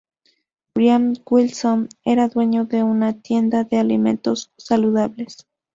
Brian Wilson era dueño de una tienda de alimentos saludables.